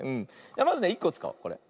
まずね１こつかおうこれ。